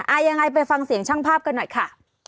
ยังไงไปฟังเสียงช่างภาพกันหน่อยค่ะ